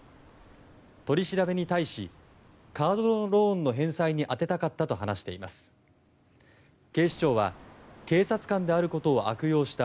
取り調べに対しカードローンの返済に充てたかったと話しています。